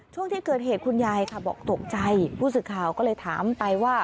ช่วงที่เกิดเหตุคุณยายค่ะบอกตกใจผู้สื่อข่าวก็เลยถามไปว่า